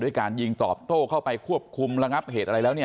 การยิงตอบโต้เข้าไปควบคุมระงับเหตุอะไรแล้วเนี่ย